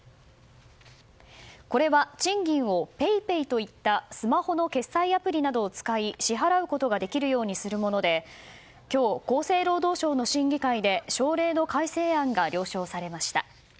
これは、賃金をＰａｙＰａｙといったスマホの決済アプリなどを使い支払うことができるようにするもので今日、厚生労働省の審議会で省令の改正案が了承されました。